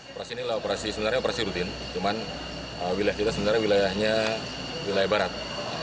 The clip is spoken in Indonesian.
operasi ini operasi sebenarnya operasi rutin cuman wilayah kita sebenarnya wilayahnya wilayah barat